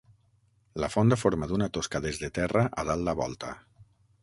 La font ha format una tosca des de terra a dalt la volta.